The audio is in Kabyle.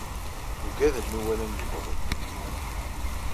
Ugaden mi walan yewweḍ-d.